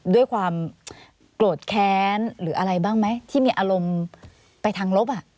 ด้วยความโกรธแค้นหรืออะไรบ้างไหมที่มีอารมณ์ไปทางลบ